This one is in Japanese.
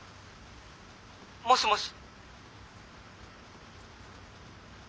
もしもし？